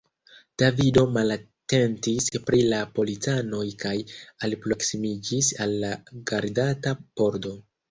Davido malatentis pri la policanoj kaj alproksimiĝis al la gardata pordo.